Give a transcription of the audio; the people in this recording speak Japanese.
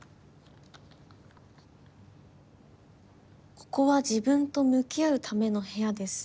「ここは自分と向き合うための部屋です。